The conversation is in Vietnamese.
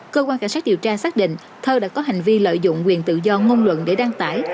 cơ quan cảnh sát điều tra xác định thơ đã có hành vi lợi dụng quyền tự do ngôn luận để đăng tải